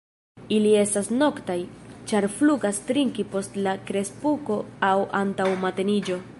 Ili estas noktaj, ĉar flugas trinki post la krepusko aŭ antaŭ mateniĝo.